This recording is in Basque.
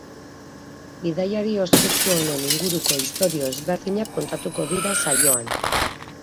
Bidaiari ospetsu honen inguruko istorio ezberdinak kontatuko dira saioan.